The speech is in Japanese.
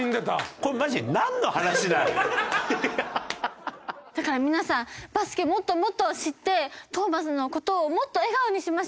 これマジでだから皆さんバスケもっともっと知ってトーマスの事をもっと笑顔にしましょう。